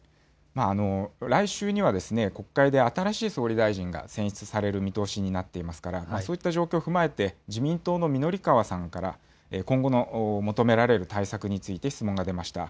来週には国会で新しい総理大臣が選出される見通しになっていますから、そういった状況を踏まえて、自民党の御法川さんから、今後の求められる対策について質問が出ました。